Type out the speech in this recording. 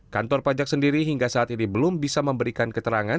kantor pajak sendiri hingga saat ini belum bisa memberikan keterangan